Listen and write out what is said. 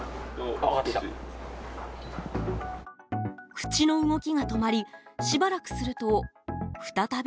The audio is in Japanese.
口の動きが止まりしばらくすると再び咀嚼。